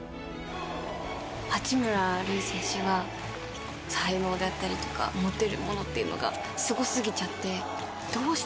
八村塁選手が才能であったりとか持ってるものっていうのがすごすぎちゃって。